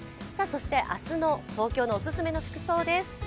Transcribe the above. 明日の東京のおすすめの服装です。